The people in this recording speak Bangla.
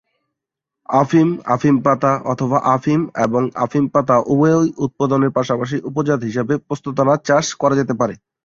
আফিম, আফিম পাতা অথবা আফিম এবং আফিম পাতা উভয়ই উৎপাদনের পাশাপাশি উপজাত হিসেবে পোস্তদানা চাষ করা যেতে পারে।